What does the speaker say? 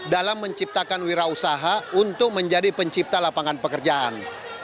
dalam menciptakan wira usaha untuk menjadi pencipta lapangan pekerjaan